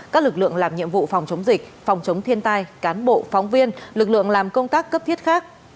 các lực lượng làm nhiệm vụ phòng chống dịch phòng chống thiên tai cán bộ phóng viên lực lượng làm công tác cấp thiết khác